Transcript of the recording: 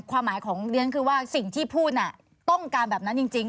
ความหมายของเรียนคือว่าสิ่งที่พูดต้องการแบบนั้นจริง